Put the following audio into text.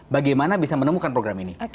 bagaimana bisa menemukan program ini